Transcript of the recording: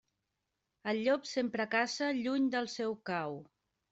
El llop sempre caça lluny del seu cau.